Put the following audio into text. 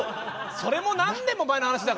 それも何年も前の話だから！